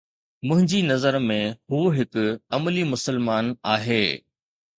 منهنجي نظر ۾ هو هڪ عملي مسلمان آهي